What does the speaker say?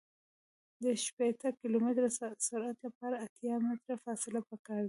د شپیته کیلومتره سرعت لپاره اتیا متره فاصله پکار ده